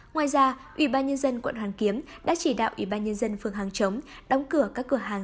ngoài ra ubnd quận hoàng kiếm đã chỉ đạo ubnd phương hàng chống đóng cửa các cửa hàng